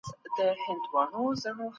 هغوی ته بايد د احترام په سترګه وکتل سي.